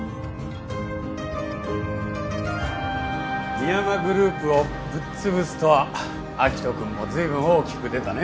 深山グループをぶっつぶすとは明人君もずいぶん大きく出たね。